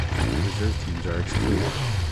Reserve teams are excluded.